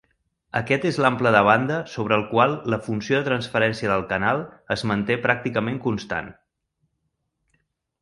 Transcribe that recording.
Aquest és l'ample de banda sobre el qual la funció de transferència del canal es manté pràcticament constant.